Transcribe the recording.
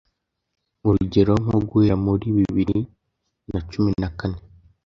Urugero nko guhera mu bibiri na cumi na kane